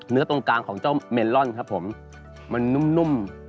ตรงกลางของเจ้าเมลอนครับผมมันนุ่ม